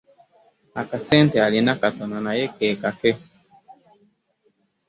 Akasente alina katono naye ke kake.